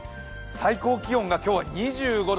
最高気温が今日は２５度。